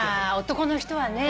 男の人はね。